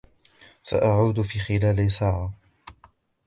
سأعود في خلال ساعة.